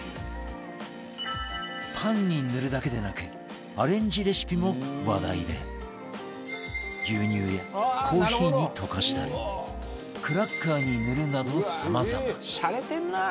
パンに塗るだけでなくアレンジレシピも話題で牛乳やコーヒーに溶かしたりクラッカーに塗るなどさまざま